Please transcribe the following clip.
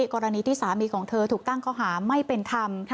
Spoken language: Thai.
กรณีที่สามีของเธอถูกตั้งข้อหาไม่เป็นธรรม